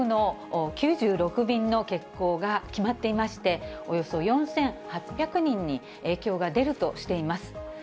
９６便の欠航が決まっていまして、およそ４８００人に影響が出るとしています。